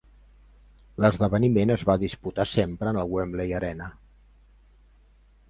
L'esdeveniment es va disputar sempre en el Wembley Arena.